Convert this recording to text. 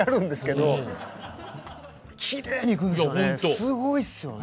すごいっすよね。